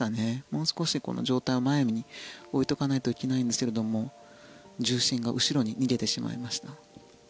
もう少し上体を前に置いておかないといけないんですけれども重心が後ろに逃げてしまいました。